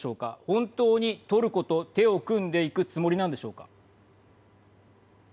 本当に、トルコと手を組んでいくつもりなんでしょうか。